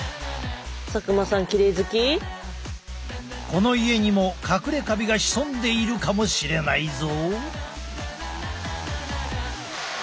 この家にもかくれカビが潜んでいるかもしれないぞ。